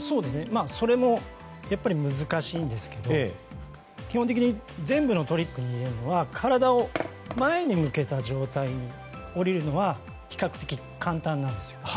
それもやっぱり難しいんですけど全部のトリックに言えるのは体を前に向けた状態に下りるのは比較的、簡単なんですよ。